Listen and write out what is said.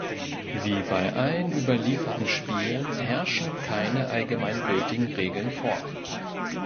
Wie bei allen überlieferten Spielen herrschen keine allgemein gültigen Regeln vor.